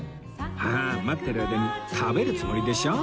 ははーん待ってる間に食べるつもりでしょ？